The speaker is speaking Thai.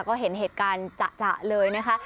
ก็เห็นเหตุการณ์จะเลยนะคะ